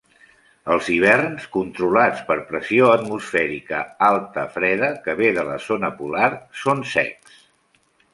Els hiverns, controlats per pressió atmosfèrica alta freda que ve de la zona polar, són secs.